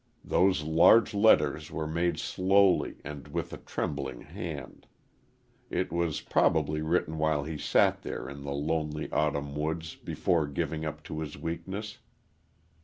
Those large letters were made slowly and with a trembling hand. It was probably written while he sat there in the lonely, autumn woods before giving up to his weakness.